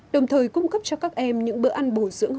đồng thời cung cấp cho các em những bữa ăn bổ dưỡng